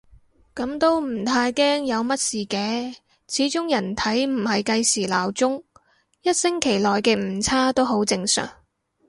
噉都唔太驚有乜事嘅，始終人體唔係計時鬧鐘，一星期內嘅誤差都好正常